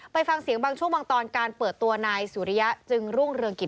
ไปฟังเสียงบางช่วงบางตอนการเปิดตัวนายสุริยะจึงรุ่งเรืองกิจ